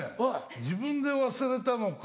自分で忘れたのか。